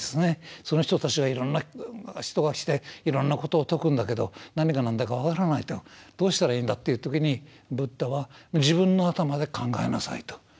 その人たちがいろんな人が来ていろんなことを説くんだけど何が何だか分からないとどうしたらいいんだっていう時にブッダは自分の頭で考えなさいと。